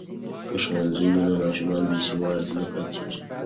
که ښوونځی وي نو ماشومان بې سواده نه پاتیږي.